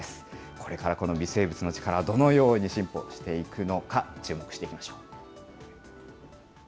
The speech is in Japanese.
これからこの微生物の力、どのように進歩していくのか、注目していきましょう。